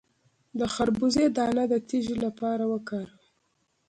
د خربوزې دانه د تیږې لپاره وکاروئ